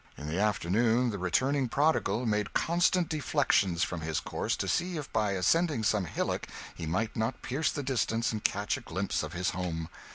In the afternoon the returning prodigal made constant deflections from his course to see if by ascending some hillock he might not pierce the distance and catch a glimpse of his home.